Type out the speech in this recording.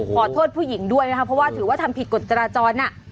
ขอโทษผู้หญิงด้วยนะคะเพราะว่าถือว่าทำผิดกฎจราจร